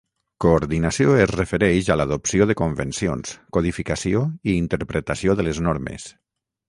Coordinació es refereix a l'adopció de convencions, codificació i interpretació de les normes.